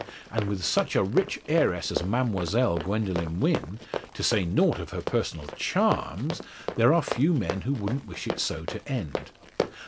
And with such a rich heiress as Mademoiselle Gwendoline Wynn to say nought of her personal charms there are few men who wouldn't wish it so to end.